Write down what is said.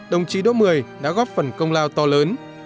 đồng chí đỗ mười đã góp phần công lao to lớn